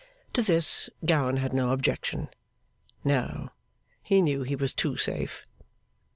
To this Gowan had no objection. No, he knew he was too safe.